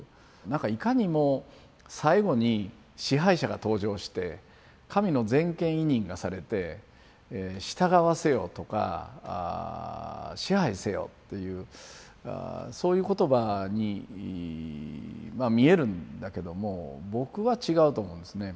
なんかいかにも最後に支配者が登場して神の全権委任がされて「従わせよ」とか「支配せよ」っていうそういう言葉に見えるんだけども僕は違うと思うんですね。